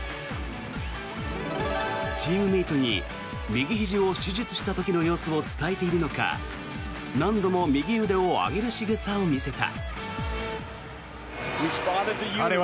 チームメートに右ひじを手術した時の様子を伝えているのか何度も右腕を上げるしぐさを見せた。